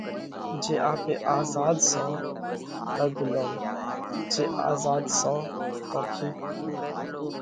جي آپي آزاڌ سون ڪا ڳلُوم؟ جي آزاڌ سون تو ٺِيڪ